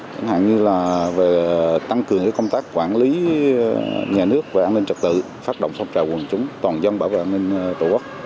chẳng hạn như là về tăng cường công tác quản lý nhà nước về an ninh trật tự phát động phong trào quần chúng toàn dân bảo vệ an ninh tổ quốc